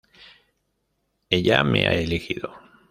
Ella me ha elegido.